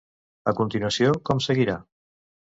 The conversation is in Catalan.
A continuació, com seguirà?